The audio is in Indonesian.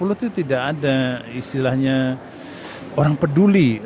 delapan puluh itu tidak ada istilahnya orang peduli